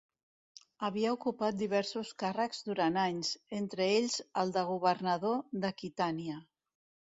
Havia ocupat diversos càrrecs durant anys, entre ells el de governador d'Aquitània.